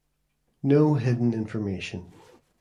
No hidden information.